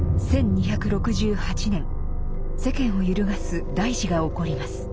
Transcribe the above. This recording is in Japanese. １２６８年世間を揺るがす大事が起こります。